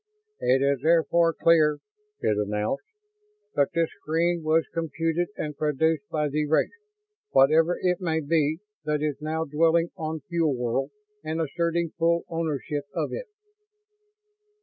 "It is therefore clear," it announced, "that this screen was computed and produced by the race, whatever it may be, that is now dwelling on Fuel World and asserting full ownership of it."